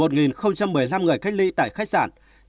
một một mươi năm người cách ly tại khách sạn